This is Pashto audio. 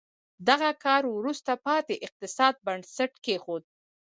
دغه کار وروسته پاتې اقتصاد بنسټ کېښود.